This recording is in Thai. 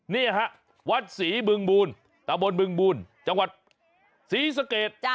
นี่ฮะวัดศรีบึงบูลตะบนบึงบูลจังหวัดศรีสะเกด